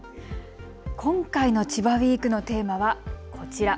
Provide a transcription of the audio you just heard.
今回の千葉ウイークのテーマはこちら。